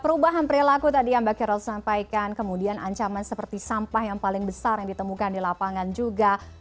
perubahan perilaku tadi yang mbak kirol sampaikan kemudian ancaman seperti sampah yang paling besar yang ditemukan di lapangan juga